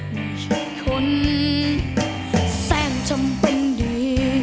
ไม่ใช่คนแซมจำเป็นดี